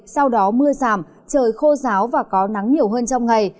sau đó mưa giảm trời khô giáo và có nắng nhiều hơn trong ngày